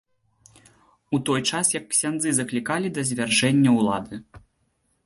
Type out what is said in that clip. У той час як ксяндзы заклікалі да звяржэння ўлады.